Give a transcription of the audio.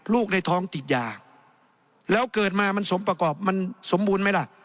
ลูกในท้องติดยาแล้วเกิดมามันสมประกอบมันสมบูรณ์ไหมล่ะ